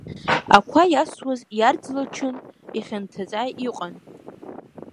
Ақәа иасуаз иарӡлачын, ихьанҭаӡа иҟан.